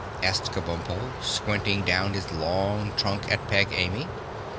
asked Kabumpo, squinting down his long trunk at Peg Amy.